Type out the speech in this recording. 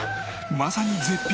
まさに絶品！